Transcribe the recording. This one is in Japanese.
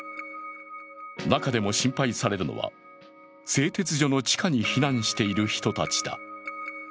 中でも心配されるのは製鉄所の地下に避難している人たちだ。